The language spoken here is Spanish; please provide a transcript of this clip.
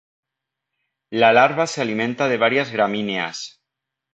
La larva se alimenta de varias gramíneas.